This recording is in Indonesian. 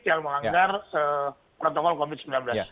ya menganggar protokol covid sembilan belas